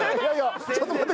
ちょっと待って。